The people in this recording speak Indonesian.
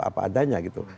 apa adanya gitu